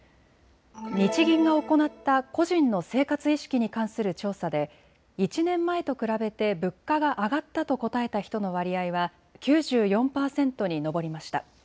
日銀が行った個人の生活意識に関する調査で１年前と比べて物価が上がったと答えた人の割合は９４％に上りました。